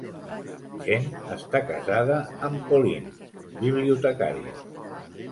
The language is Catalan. Tchen està casada amb Pauline, bibliotecària.